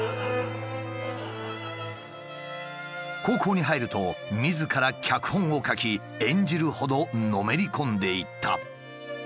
高校に入るとみずから脚本を書き演じるほどのめり込んでいった。